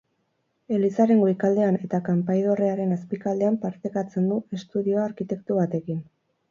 Elizaren goikaldean eta kanpaidorrearen azpikaldean partekatzen du estudioa arkitektu batekin.